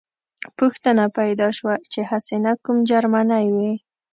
پوښتنه پیدا شوه چې هسې نه کوم جرمنی وي